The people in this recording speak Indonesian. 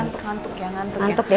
ngantuk ya ngantuk ya